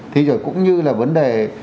thế rồi cũng như là vấn đề